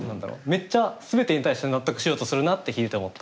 めっちゃ全てに対して納得しようとするなって聞いてて思った。